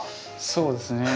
そうですね。